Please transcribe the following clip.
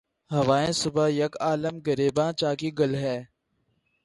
ہوائے صبح یک عالم گریباں چاکی گل ہے